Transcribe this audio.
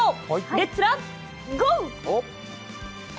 レッツラゴー！